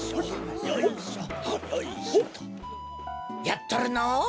やっとるのう。